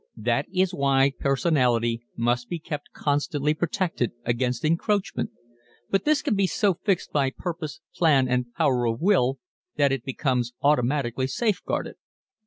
That is why personality must be kept constantly protected against encroachment; but this can be so fixed by purpose, plan, and power of will that it becomes automatically safeguarded.